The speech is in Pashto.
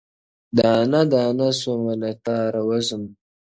دانه دانه سومه له تاره وځم.